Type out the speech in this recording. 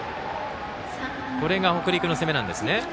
これが北陸の攻めなんですね。